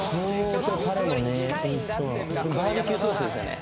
バーベキューソースですよね？